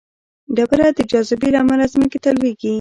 ډبره د جاذبې له امله ځمکې ته لویږي.